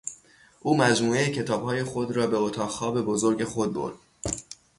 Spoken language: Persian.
او مجموعهی کتابهای خود را به اتاق خواب بزرگ خود برد.